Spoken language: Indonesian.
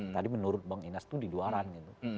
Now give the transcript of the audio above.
tadi menurut bang inas itu di luaran gitu